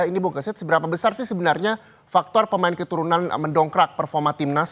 ini bungkesit seberapa besar sih sebenarnya faktor pemain keturunan mendongkrak performa timnas